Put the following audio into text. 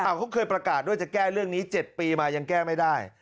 เขาเคยประกาศด้วยจะแก้เรื่องนี้๗ปีมายังแก้ไม่ได้